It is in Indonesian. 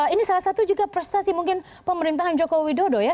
ini salah satu juga prestasi mungkin pemerintahan joko widodo ya